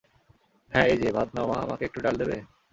হ্যাঁ এইযে, ভাত নাও মা - আমাকে একটু ডাল দেবে?